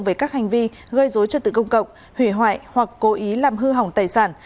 về các hành vi gây dối trật tự công cộng hủy hoại hoặc cố ý làm hư hỏng tài sản